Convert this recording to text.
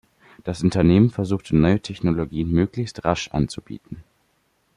Das Unternehmen versuchte, neue Technologien möglichst rasch anzubieten.